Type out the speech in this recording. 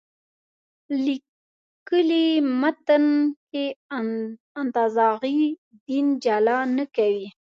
لیکلي متن کې انتزاعي دین جلا نه کوي.